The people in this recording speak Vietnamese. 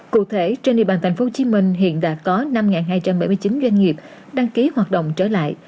cụ thể trên địa bàn tp hcm hiện đã có năm hai trăm bảy mươi chín doanh nghiệp đăng ký hoạt động trở lại